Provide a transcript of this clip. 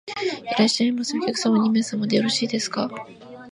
いらっしゃいませ。お客様は二名様でよろしいですか？